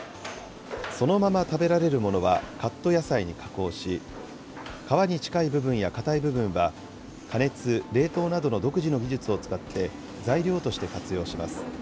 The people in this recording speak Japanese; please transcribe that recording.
そのまま食べられるものはカット野菜に加工し、皮に近い部分や硬い部分は加熱・冷凍などの独自の技術を使って、材料として活用します。